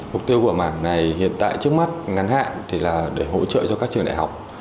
mục tiêu của mảng này hiện tại trước mắt ngắn hạn thì là để hỗ trợ cho các trường đại học